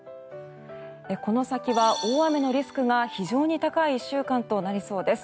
この先は大雨のリスクが非常に高い１週間となりそうです。